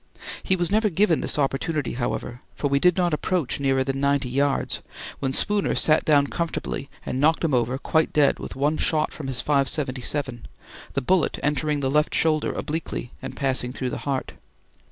He was never given this opportunity, however, for we did not approach nearer than ninety yards, when Spooner sat down comfortably and knocked him over quite dead with one shot from his .577, the bullet entering the left shoulder obliquely and passing through the heart.